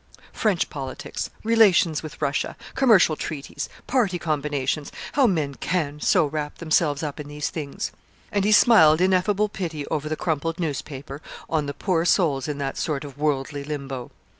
French politics, relations with Russia, commercial treaties, party combinations, how men can so wrap themselves up in these things! And he smiled ineffable pity over the crumpled newspaper on the poor souls in that sort of worldly limbo.